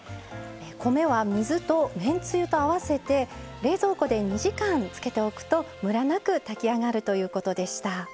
米は水とめんつゆと合わせて冷蔵庫で２時間つけておくとムラなく炊き上がるということでした。